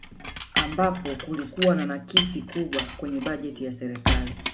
Ambapo kulikuwa na nakisi kubwa kwenye bajeti ya serikali